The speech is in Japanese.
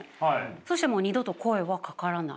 そうしたらもう二度と声はかからない。